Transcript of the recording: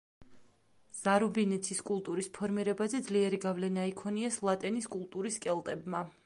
ზარუბინეცის კულტურის ფორმირებაზე ძლიერი გავლენა იქონიეს ლატენის კულტურის კელტებმა.